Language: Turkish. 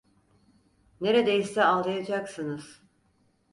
Neredeyse ağlayacaksınız!